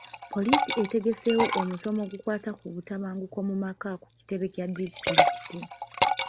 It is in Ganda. Poliisi etegeseewo omusomo ogukwata ku butabanguko mu maka ku kitebe kya disitulikiti.